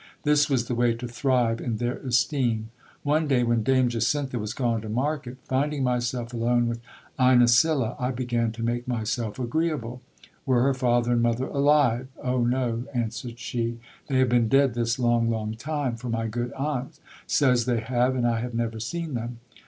This was the way to thrive in their esteem. One day when Dame Jacintha was gone to market, finding myself alone with Inesilla, I began to make myself agreeable. Were her father and mother alive ? Oh ! no, answered she ; they have been dead this long, long time ; for my good aunt says they have, and I have never seen them.